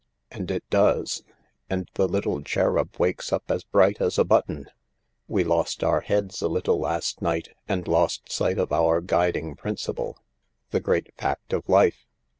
And it does, and the little cherub wakes up as bright as a button. We lost our heads a little last night, and lost sight of our guiding principle. The great fact of life.